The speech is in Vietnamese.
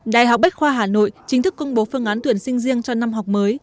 đại học bách khoa hà nội chính thức công bố phương án tuyển sinh riêng cho năm học mới